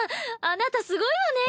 あなたすごいわね。